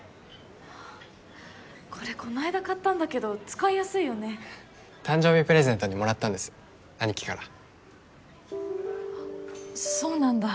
あっこれこの間買ったんだけど使いやすいよね誕生日プレゼントにもらったんです兄貴からそうなんだ